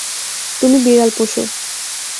তুমি বিড়াল পোষো।